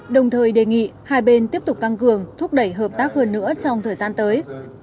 đồng thời đề nghị hai bên tiếp tục tăng cường thúc đẩy hợp tác hơn nữa trong thời gian tới